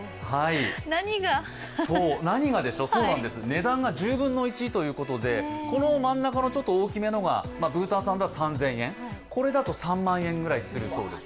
値段が１０分の１ということで、この真ん中のちょっと大きめのが、ブータン産だと３０００円、これだと３万円ぐらいするそうです。